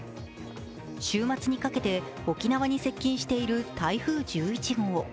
週末にかけて沖縄に接近している台風１１号。